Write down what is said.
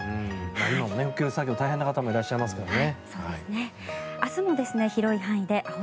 今も復旧作業大変な方いらっしゃいますからね。